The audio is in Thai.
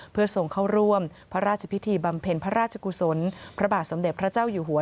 เพื่อส่งเข้าร่วมพระราชพิธีบำเพ็ญพระราชกุศลพระบาทสมเด็จพระเจ้าอยู่หัว